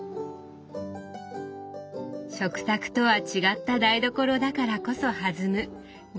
食卓とは違った台所だからこそ弾む料理談議。